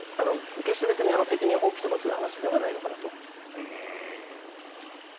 決して別に責任放棄とかそういう話ではないのかなと。